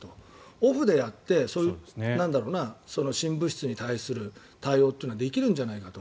オフでやって、新物質に対する対応というのができるんじゃないかと。